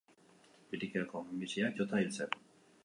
Birikako minbiziak jota hil zen.